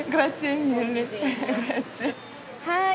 はい。